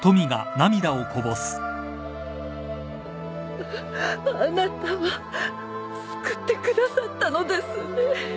フゥあなたは救ってくださったのですね。